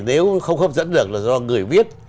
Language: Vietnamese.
nếu không hấp dẫn được là do người viết